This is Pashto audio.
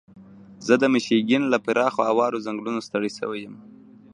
زه د میشیګن له پراخو اوارو ځنګلونو ستړی شوی یم.